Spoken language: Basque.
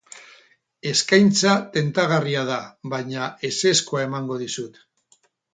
Eskaintza tentagarria da baina ezezkoa emango dizut.